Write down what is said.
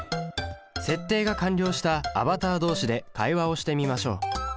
設定が完了したアバター同士で会話をしてみましょう。